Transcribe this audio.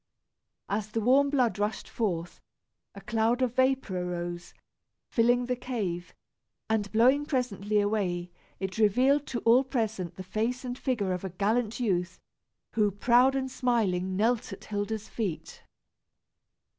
As the warm blood rushed forth, a cloud of vapor arose, filling the cave; and blowing presently away, it revealed to all present the face and figure of a gallant youth, who, proud and smiling, knelt at Hilda's feet.